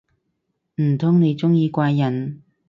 唔通你鍾意怪人